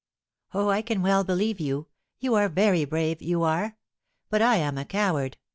"Oh, I can well believe you! You are very brave you are; but I am a coward.